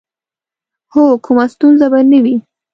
هو، کومه ستونزه به نه وي.